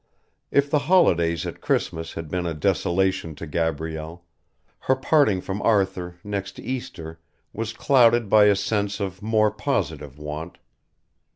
If the holidays at Christmas had been a desolation to Gabrielle, her parting from Arthur next Easter was clouded by a sense of more positive want.